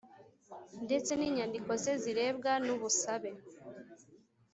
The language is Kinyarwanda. ndetse n inyandiko ze zirebwa n ubusabe